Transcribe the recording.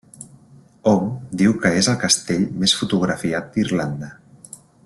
Hom diu que és el castell més fotografiat d'Irlanda.